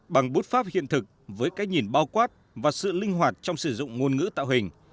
bằng bút pháp hiện thực với cách nhìn bao quát và sự linh hoạt trong sử dụng ngôn ngữ tạo hình